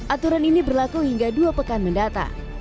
aturan ini berlaku hingga dua pekan mendata